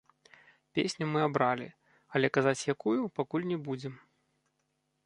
Песню мы абралі, але казаць якую пакуль не будзем.